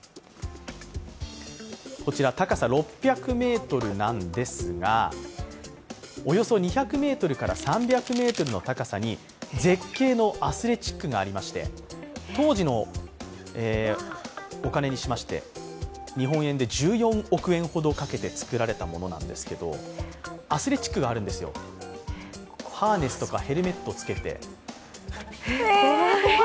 こちら高さ６００ｍなんですが、およそ２００ｍから３００ｍの高さに絶景のアスレチックがありまして当時のお金にしまして、日本円にして１４億円ほどかけて作られたものなんでずか、アスレチックがあるんですよ、ハーネスとかヘルメットを着けて。